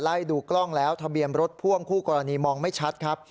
ไล่ดูกล้องแล้วทะเบียนรถพ่วงคู่กรณีมองไม่ชัดครับ